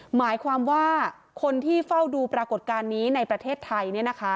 หมายความว่าคนที่เฝ้าดูปรากฏการณ์นี้ในประเทศไทย